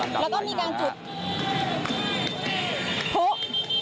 อ๋อแล้วก็มีการจุด